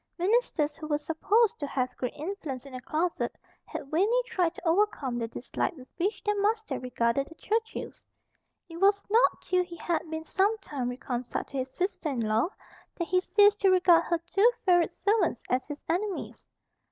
Ministers who were supposed to have great influence in the closet had vainly tried to overcome the dislike with which their master regarded the Churchills. It was not till he had been some time reconciled to his sister in law that he ceased to regard her two favourite servants as his enemies.